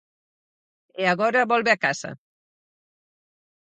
E agora volve a casa.